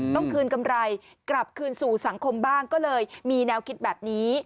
ต้องคืนกำไรกลับคืนสู่สังคมบ้างก็เลยมีแนวคิดแบบนี้